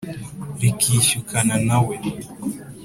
rikishyukana na we.